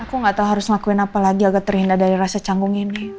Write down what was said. aku gak tau harus ngelakuin apa lagi agak terhindar dari rasa canggung ini